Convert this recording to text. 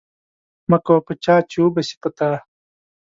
مه کوه په چا، چي و به سي په تا.